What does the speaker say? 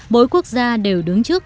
mỗi quốc gia đều đứng trước